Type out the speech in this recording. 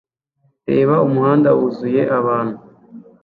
Reba umuhanda wuzuye abantu